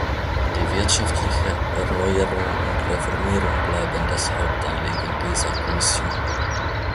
Die wirtschaftliche Erneuerung und Reformierung bleiben das Hauptanliegen dieser Kommission.